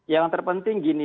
yang terpenting gini